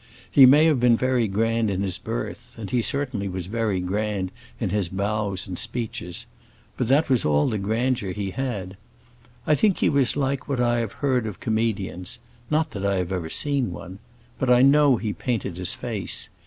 He may have been very grand in his birth, and he certainly was very grand in his bows and speeches; but that was all the grandeur he had. I think he was like what I have heard of comedians; not that I have ever seen one. But I know he painted his face.